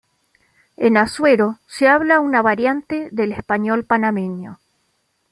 En Azuero se habla una variante del español panameño.